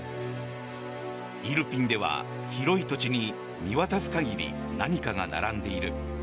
イルピンでは広い土地に見渡す限り何かが並んでいる。